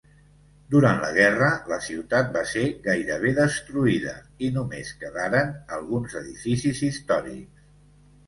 Durant la guerra, la ciutat va ser gairebé destruïda i només quedaren alguns edificis històrics.